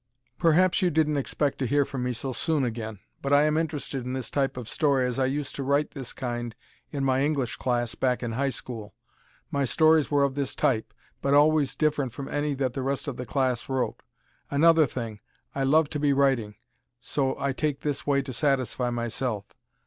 Perhaps you didn't expect to hear from me so soon again, but I am interested in this type of story as I used to write this kind in my English class back in high school. My stories were of this type, but always different from any that the rest of the class wrote. Another thing, I love to be writing, so I take this way to satisfy myself.